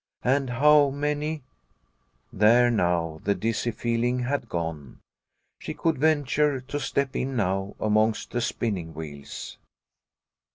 And how many " There now, the dizzy feeling had gone. She could venture to step in now amongst the spinning wheels.